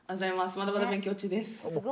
まだまだ勉強中です。